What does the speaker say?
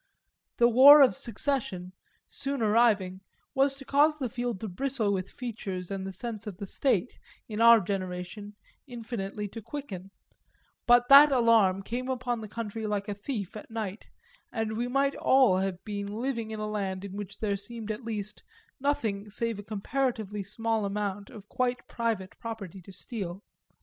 The war of Secession, soon arriving, was to cause the field to bristle with features and the sense of the State, in our generation, infinitely to quicken; but that alarm came upon the country like a thief at night, and we might all have been living in a land in which there seemed at least nothing save a comparatively small amount of quite private property to steal.